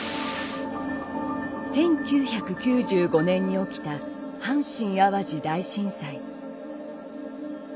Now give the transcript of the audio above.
１９９５年に起きた阪神・淡路大震災。